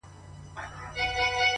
زه خو یارانو نامعلوم آدرس ته ودرېدم ؛